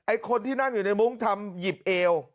คนที่นั่งอยู่ในมุ้งทำหยิบเอว